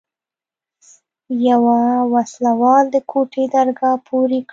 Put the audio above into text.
يوه وسله وال د کوټې درګاه پورې کړه.